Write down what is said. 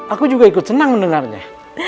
aku juga ikut senang mendengarnya